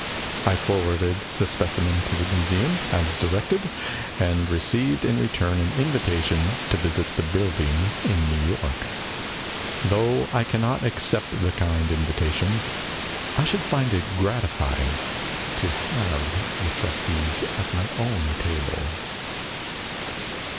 I forwarded the specimen to the museum as directed, and received in return an invitation to visit the building in New York. Though I cannot accept the kind invitation, I should find it gratifying to have the trustees at my own table.